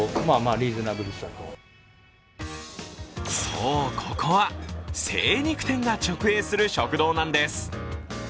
そう、ここは精肉店が直営する食堂なんです。